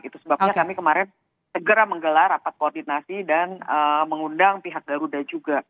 itu sebabnya kami kemarin segera menggelar rapat koordinasi dan mengundang pihak garuda juga